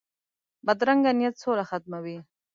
بدرنګه نیت سوله ختموي